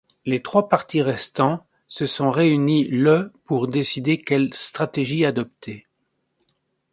Les trois partis restants se sont réunis le pour décider quelle stratégie adopter.